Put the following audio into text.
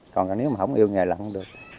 còn nếu mà không yêu nghề làm được